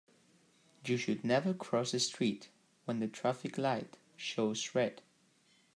You should never cross the street when the traffic light shows red.